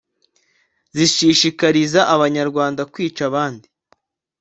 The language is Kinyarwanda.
zishishikariza abanyarwanda kwica abandi